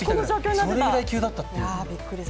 それぐらい急だったという。